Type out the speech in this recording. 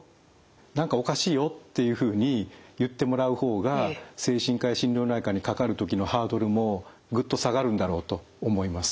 何かおかしいよ」というふうに言ってもらう方が精神科や心療内科にかかる時のハードルもぐっと下がるんだろうと思います。